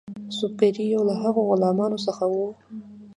سُبکري یو له هغو غلامانو څخه وو.